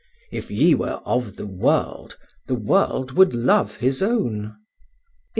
If ye were of the world, the world would love his own" (ib.